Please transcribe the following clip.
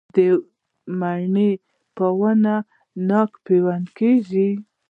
د مڼې په ونه ناک پیوند کیږي؟